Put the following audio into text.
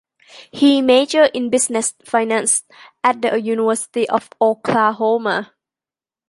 He majored in business finance at the University of Oklahoma.